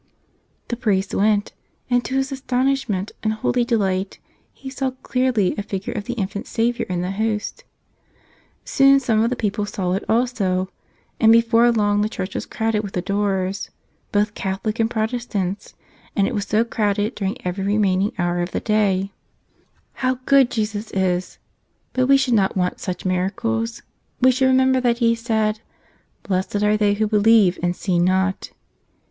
The priest went; and to his astonishment and holy delight he saw clearly a figure of the Infant Savior in the Host. Soon some of the people saw it also; and before long the church was crowded with adorers, both Catholics and Protestants ; and it was so crowded during every remaining hour of the day. 133 " Tell Us Another!" I s How good Jesus is ! But we should not want such miracles; we should remember that He said, "Blessed are they who believe and see not."